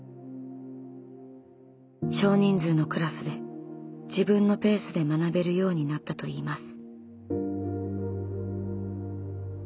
少人数のクラスで自分のペースで学べるようになったといいます。